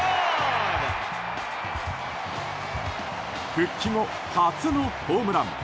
復帰後初のホームラン！